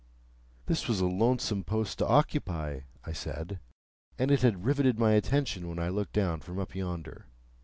This was a lonesome post to occupy (I said), and it had riveted my attention when I looked down from up yonder.